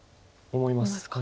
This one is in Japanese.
思いますか。